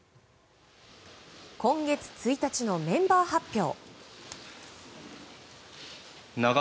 今月１日のメンバー発表。